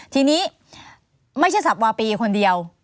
ทีนี้ไม่ใช่สับวาปีคนเดียว